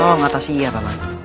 oh matasi iya pak mak